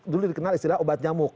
dulu dikenal istilah obat nyamuk